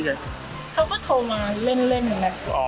ท่านจะแบบมีบ่อยไปครับ